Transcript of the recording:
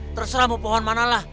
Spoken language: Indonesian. terserah mau pohon manalah